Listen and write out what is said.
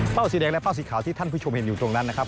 สีแดงและเป้าสีขาวที่ท่านผู้ชมเห็นอยู่ตรงนั้นนะครับ